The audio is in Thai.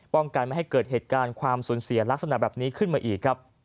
กันไม่ให้เกิดเหตุการณ์ความสูญเสียลักษณะแบบนี้ขึ้นมาอีกครับ